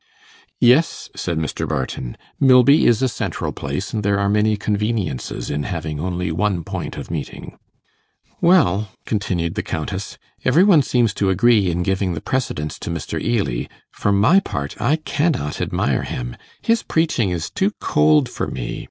'Yes,' said Mr. Barton; 'Milby is a central place, and there are many conveniences in having only one point of meeting.' 'Well,' continued the Countess, 'every one seems to agree in giving the precedence to Mr. Ely. For my part, I cannot admire him. His preaching is too cold for me.